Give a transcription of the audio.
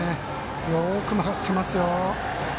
よく曲がってますよ。